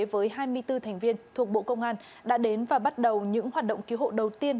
với hai mươi bốn thành viên thuộc bộ công an đã đến và bắt đầu những hoạt động cứu hộ đầu tiên